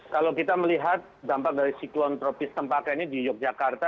kalau kita melihat dampak dari siklon tropis tempaka ini di yogyakarta